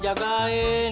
kamu mau main